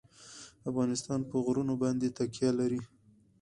افغانستان په غرونه باندې تکیه لري.